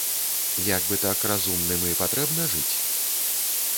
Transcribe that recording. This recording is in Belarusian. Як бы так разумным і патрэбна жыць?